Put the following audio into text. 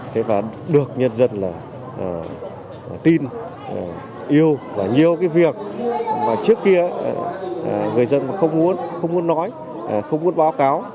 thế và được nhân dân là tin yêu và nhiều cái việc mà trước kia người dân mà không muốn không muốn nói không muốn báo cáo